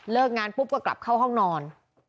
งานปุ๊บก็กลับเข้าห้องนอน